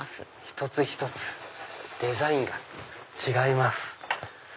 一つ一つデザインが違います。